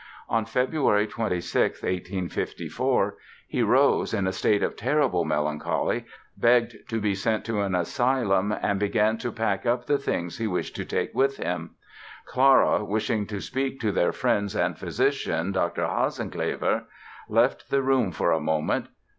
On Feb. 26, 1854, he rose in a state of terrible melancholy, begged to be sent to an asylum and began to pack up the things he wished to take with him. Clara, wishing to speak to their friend and physician, Dr. Hasenclever, left the room for a moment.